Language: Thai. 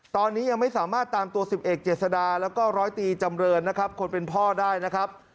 ตอนนี้ยังไม่สามารถตามตัวสิบเอกเจษดาแล้วก็ร้อยตีจำเรินนะครับคนเป็นพ่อได้นะครับ